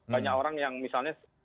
banyak orang yang misalnya